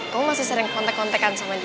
kamu masih sering kontek kontekan sama dia